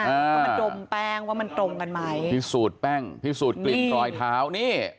ก็มาดมแป้งว่ามันตรงกันไหมพิสูจน์แป้งพิสูจนกลิ่นรอยเท้านี่